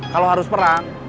kalau harus perang